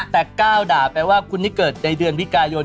แต่ก้าวด่าแปลว่าคุณนี่เกิดในเดือนวิกายน